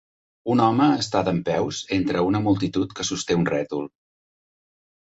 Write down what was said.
Un home està dempeus entre una multitud que sosté un rètol.